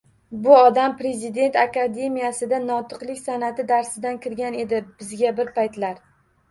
Bu odam Prezident akademiyasida notiqlik sanʼati darsidan kirgan edi bizga bir paytlar.